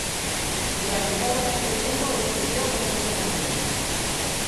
Durante todo este tiempo escribió cuentos infantiles.